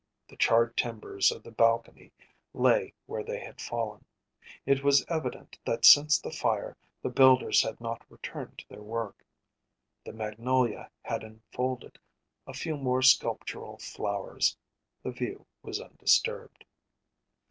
The charred timbers of the balcony lay where they had fallen. It was evident that since the fire the builders had not returned to their work. The magnolia had unfolded a few more sculptural flowers; the view was undisturbed.